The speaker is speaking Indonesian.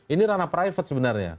ini rana private sebenarnya